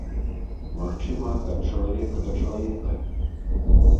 Магчыма, ад чалавека да чалавека.